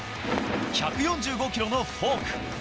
１４５キロのフォーク。